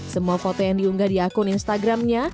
semua foto yang diunggah di akun instagramnya